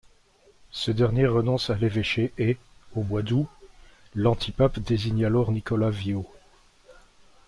Ce dernier renonce à l'évêché et, au mois d'août, l'antipape désigne alors Nicolas Viaud.